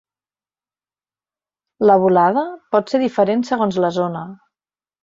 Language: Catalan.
La volada pot ser diferent segons la zona.